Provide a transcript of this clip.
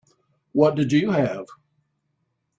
What did you have?